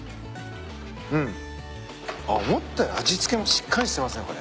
うん。あっ思ったより味付けもしっかりしてますねこれ。